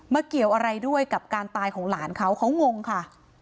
เกี่ยวอะไรด้วยกับการตายของหลานเขาเขางงค่ะ